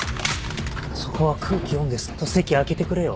そこは空気読んでスッと席空けてくれよ。